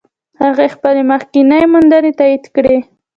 هغې خپلې مخکینۍ موندنې تایید کړې.